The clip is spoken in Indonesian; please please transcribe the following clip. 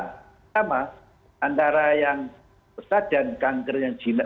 pertama antara yang prostat dan kanker yang gina